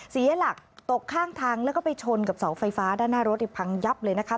เสียหลักตกข้างทางแล้วก็ไปชนกับเสาไฟฟ้าด้านหน้ารถพังยับเลยนะคะ